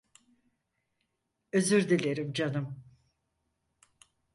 Özür dilerim canım.